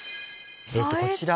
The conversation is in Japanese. こちら。